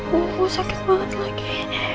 wuh sakit banget lagi